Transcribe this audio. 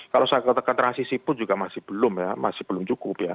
kalau saya katakan transisi pun juga masih belum ya masih belum cukup ya